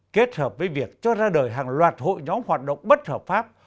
kết hợp với việc cho ra đời hàng loạt hội nhóm hoạt động bất hợp pháp